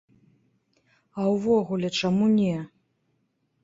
А ўвогуле, чаму не?